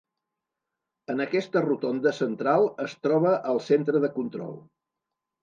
En aquesta rotonda central es troba el centre de control.